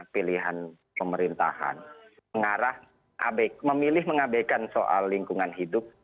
pilihan pemerintahan mengarah abek memilih mengabaikan soal lingkungan hidup